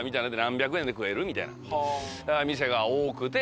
店が多くて。